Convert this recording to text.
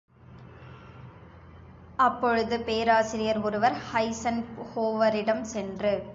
அப்பொழுது, பேராசிரியர் ஒருவர் ஐஸன்ஹோவரிடம் சென்று.